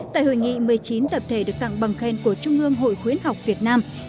tại hội nghị một mươi chín tập thể được tặng bằng khen của trung ương hội khuyến học việt nam